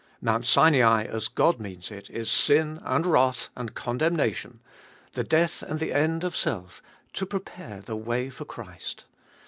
Mount Sinai, as God means it, Is sin and wrath and condemnation : the death and the end of self, to prepare the way for Christ.